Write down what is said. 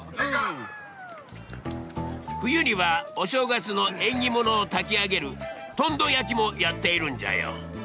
冬にはお正月の縁起物をたき上げる「とんど焼き」もやっているんじゃよ。